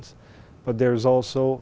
và phát triển năng lượng